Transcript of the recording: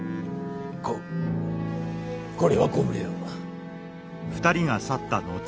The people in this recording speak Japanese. ここれはご無礼を。